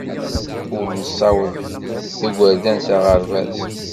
Ur nessaweḍ igerdan s aɣerbaz.